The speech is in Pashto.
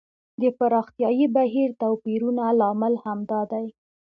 د پراختیايي بهیر توپیرونه لامل همدا دی.